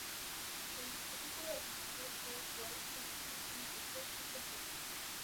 El currículo de Santa Cruz fue, pues, el de toda una universidad, muy completo.